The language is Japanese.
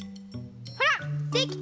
ほらできた！